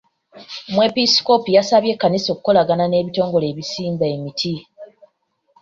Omwepisikoopi yasabye ekkanisa okukolagana n'ebitongole ebisimba emiti.